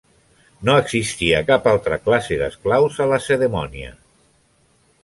No existia cap altra classe d'esclaus a Lacedemònia.